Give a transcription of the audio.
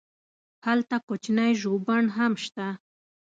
هلته کوچنی ژوبڼ هم شته.